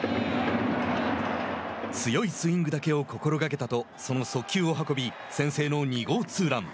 強いスイングだけを心がけたとその速球を運び先制の２号ツーラン。